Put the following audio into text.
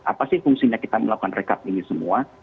apa sih fungsinya kita melakukan rekap ini semua